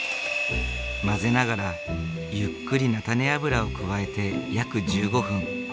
混ぜながらゆっくり菜種油を加えて約１５分。